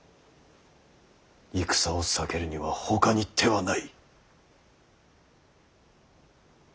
戦を避けるにはほかに手はない。